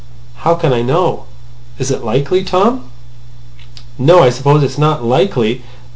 "How can I know? Is it likely, Tom? "No. I suppose it's not likely.